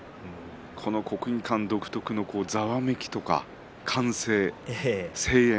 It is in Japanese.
この国技館独特のざわめきとか歓声、声援。